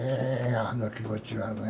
あの気持ちはねえ。